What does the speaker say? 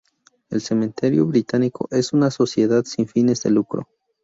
El Cementerio Británico es una sociedad sin fines de lucro.